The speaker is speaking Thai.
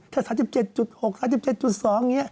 ถ้า๓๗๖๓๗๒อย่างนี้